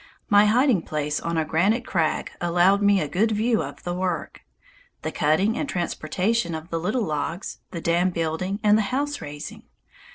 My hiding place on a granite crag allowed me a good view of the work, the cutting and transportation of the little logs, the dam building, and the house raising.